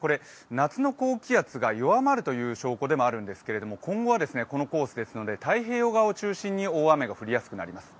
夏の高気圧が弱まるという証拠でもあるんですけど今後はこのコースですので太平洋側を中心に大雨が降りやすくなります。